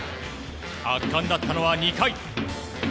圧巻だったのは２回。